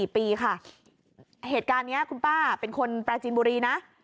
๔ปีค่ะเหตุการณ์นี้คุณป้าเป็นคนปราจีนบุรีนะ